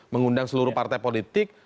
mengundang seluruh partai politik